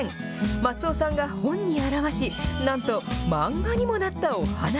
松尾さんが本に著し、なんと、漫画にもなったお話。